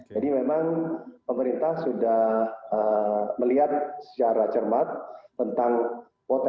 jadi memang pemerintah sudah melihat secara cermat tentang potensinya